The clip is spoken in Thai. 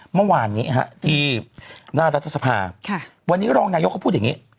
เมื่อวานนี้ที่หน้ารัฐสภาวันนี้รองนายกเขาพูดอย่างนี้